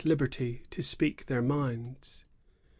79 liberty to speak their minds.